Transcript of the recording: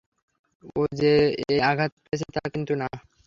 ও যে একাই আঘাত পেয়েছে তা কিন্তু না।